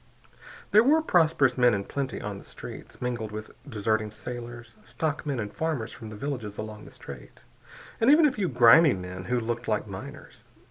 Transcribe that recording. There were prosperous men in plenty on the streets, mingled with deserting sailors, stockmen and farmers from the villages along the Strait, and even a few grimy men who looked like miners.